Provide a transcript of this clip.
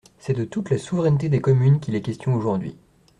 C’est de toute la souveraineté des communes qu’il est question aujourd’hui.